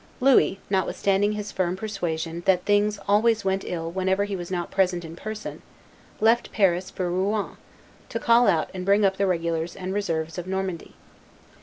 Louis, notwithstanding his firm persuasion that things always went ill wherever he was not present in person, left Paris for Rouen, to call out and bring up the regulars and reserves of Normandy.